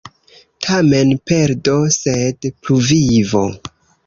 Tamen perdo, sed pluvivo.